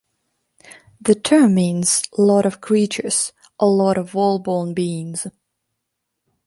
The term means "lord of creatures", or "lord of all born beings".